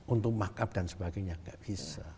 untuk mark up dan sebagainya enggak bisa